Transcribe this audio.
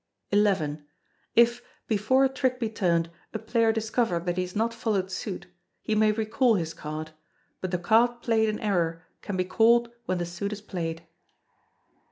xi. If, before a trick be turned, a player discover that he has not followed suit, he may recall his card; but the card played in error can be called when the suit is played.